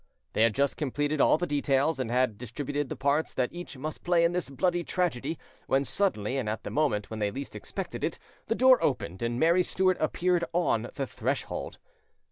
They had just completed all the details, and had, distributed the parts that each must play in this bloody tragedy, when suddenly, and at the moment when they least expected it, the door opened and, Mary Stuart appeared on the threshold.